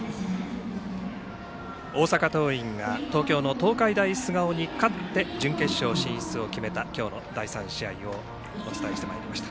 大阪桐蔭が東京の東海大菅生に勝って準決勝進出を決めた今日の第３試合をお伝えしてまいりました。